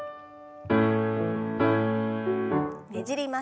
ねじります。